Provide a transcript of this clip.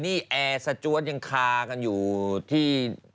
นี่แอร์สจวดยังคากันอยู่ที่